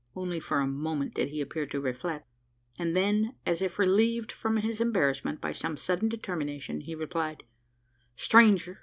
Only for a moment did he appear to reflect; and then, as if relieved from his embarrassment, by some sudden determination, he replied: "Stranger!